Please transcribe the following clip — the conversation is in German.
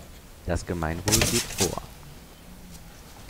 Das Gemeinwohl geht vor.